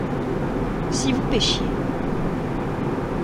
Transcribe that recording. Si vous pêchiez.